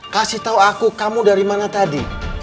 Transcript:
kasih tahu aku kamu dari mana tadi